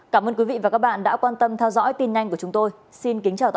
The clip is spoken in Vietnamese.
cảm ơn các bạn đã quan tâm theo dõi